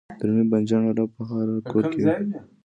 د رومي بانجان رب په هر کور کې وي.